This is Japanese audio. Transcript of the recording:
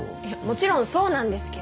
もちろんそうなんですけど。